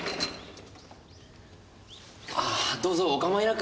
ああどうぞお構いなく。